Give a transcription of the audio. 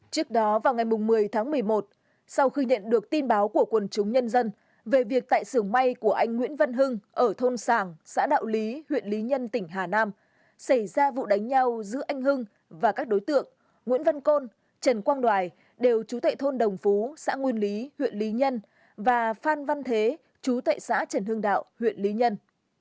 trước đó vào ngày một mươi tháng một mươi một sau khi nhận được tin báo của quân chúng nhân dân về việc tại xưởng may của anh nguyễn văn hưng ở thôn sảng xã đạo lý huyện lý nhân tỉnh hà nam xảy ra vụ đánh nhau giữa anh hưng và các đối tượng nguyễn văn côn trần quang đoài đều chú tệ thôn đồng phú xã nguyên lý huyện lý nhân và phan văn thế chú tệ xã trần hương đạo huyện lý nhân